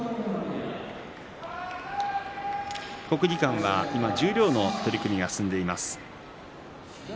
国技館は十両の取組が進んでいます。